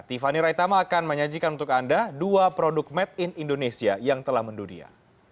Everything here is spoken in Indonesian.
tiffany raitama akan menyajikan untuk anda dua produk made in indonesia yang telah mendunia